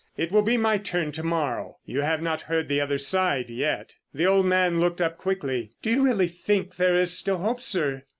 It will be my turn to morrow. You have not heard the other side yet." The old man looked up quickly. "Do you really think there is still hope, sir?"